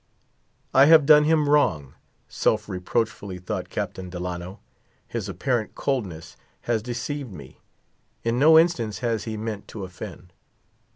I have done him wrong, self reproachfully thought Captain Delano; his apparent coldness has deceived me: in no instance has he meant to offend.